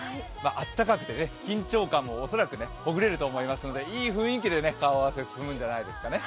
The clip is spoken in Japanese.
暖かくて緊張感も恐らくほぐれると思いますのでいい雰囲気で顔合わせ、進むんじゃないですかね。